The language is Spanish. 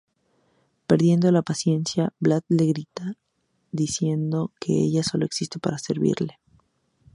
Perdiendo la paciencia, Vlad le grita diciendo que ella ""solo existe para servirle"".